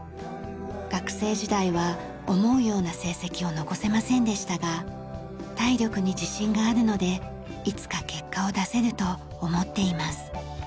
学生時代は思うような成績を残せませんでしたが体力に自信があるのでいつか結果を出せると思っています。